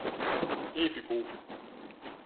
E aí ficou.